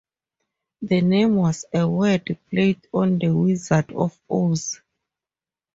The name was a word play on The Wizard of Oz.